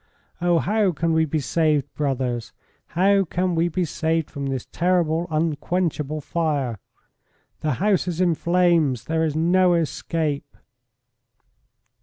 "Oh, how can we be saved, brothers? How can we be saved from this terrible, unquenchable fire? The house is in flames; there is no escape."